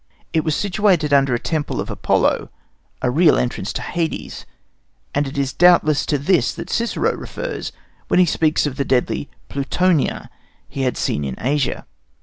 It was situated under a temple of Apollo, a real entrance to Hades; and it is doubtless to this that Cicero refers when he speaks of the deadly "Plutonia" he had seen in Asia.